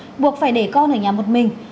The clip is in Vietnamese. bố mẹ bắt buộc phải để con ở nhà một mình